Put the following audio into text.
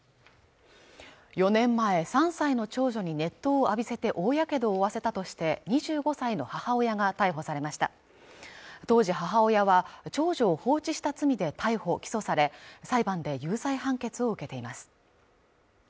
４年前３歳の長女に熱湯を浴びせて大やけどを負わせたとして２５歳の母親が逮捕されました当時母親は長女を放置した罪で逮捕・起訴され裁判で有罪判決を受けています